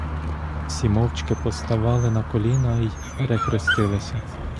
Всі мовчки поставали на коліна й перехрестилися.